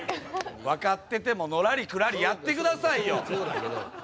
分かっててものらりくらりやって下さいよ！